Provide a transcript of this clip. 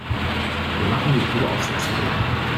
Wir machen die Probe aufs Exempel.